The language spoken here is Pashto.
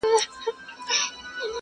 پر اصفهان دي د تورو شرنګ وو -